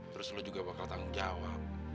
terus lo juga bakal tanggung jawab